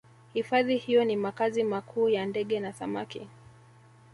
hifadhi hiyo ni makazi makuu ya ndege na samaki